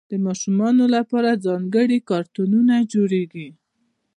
د ماشومانو لپاره ځانګړي کارتونونه جوړېږي.